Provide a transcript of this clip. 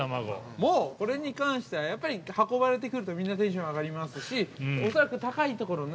もう、これに関してはやっぱり運ばれてくるとみんなテンション上がりますし恐らく、高いところのね